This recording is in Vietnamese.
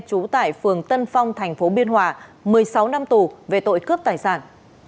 trú tại phường tân phong thành phố biên hòa một mươi sáu năm tù về tội cướp tài sản